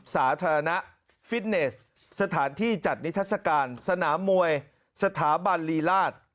สาธารณะฟิตเนสสถานที่จัดนิทัศกาลสนามมวยสถาบันลีราช